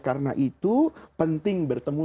karena itu penting bertemu